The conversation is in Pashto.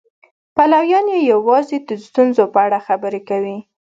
پلویان یې یوازې د ستونزو په اړه خبرې کوي.